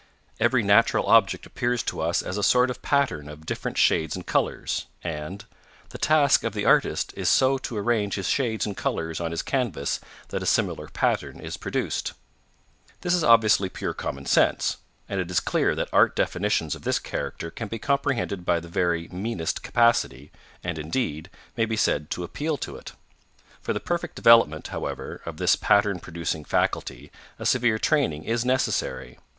'Every natural object appears to us as a sort of pattern of different shades and colours,' and 'the task of the artist is so to arrange his shades and colours on his canvas that a similar pattern is produced.' This is obviously pure common sense, and it is clear that art definitions of this character can be comprehended by the very meanest capacity and, indeed, may be said to appeal to it. For the perfect development, however, of this pattern producing faculty a severe training is necessary.